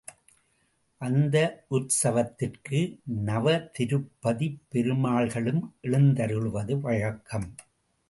அந்த உத்சவத்திற்கு நவதிருப்பதிப் பெருமாள்களும் எழுந்தருளுவது வழக்கம்.